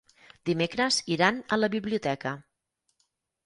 Dimecres iran a la biblioteca.